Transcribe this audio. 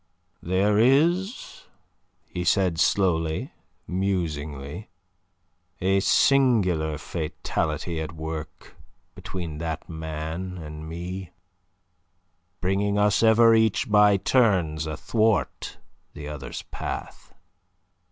"There is," he said slowly, musingly, "a singular fatality at work between that man and me, bringing us ever each by turns athwart the other's path..."